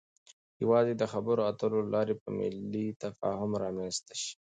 يوازې د خبرو اترو له لارې به ملی تفاهم رامنځته شي.